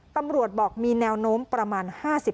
ตำรวจบอกมีแนวโน้มประมาณ๕๐